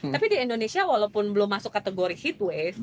tapi di indonesia walaupun belum masuk kategori heatways